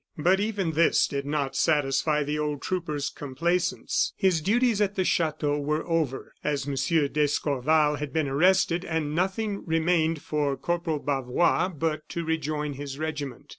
But even this did not satisfy the old trooper's complaisance. His duties at the chateau were over, as M. d'Escorval had been arrested, and nothing remained for Corporal Bavois but to rejoin his regiment.